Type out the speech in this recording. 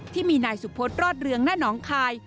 ที่มีนายสุโพธิ์รอดเรืองณน้องคาย